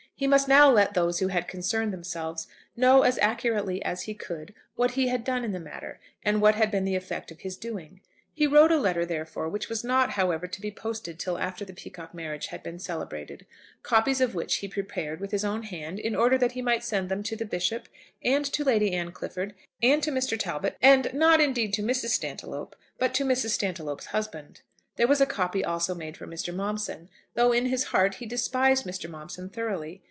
He must now let those who had concerned themselves know as accurately as he could what he had done in the matter, and what had been the effect of his doing. He wrote a letter, therefore, which was not, however, to be posted till after the Peacocke marriage had been celebrated, copies of which he prepared with his own hand in order that he might send them to the Bishop and to Lady Anne Clifford, and to Mr. Talbot and, not, indeed, to Mrs. Stantiloup, but to Mrs. Stantiloup's husband. There was a copy also made for Mr. Momson, though in his heart he despised Mr. Momson thoroughly.